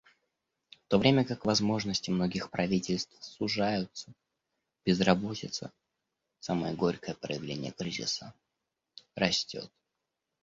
В то время как возможности многих правительств сужаются, безработица — самое горькое проявление кризиса — растет.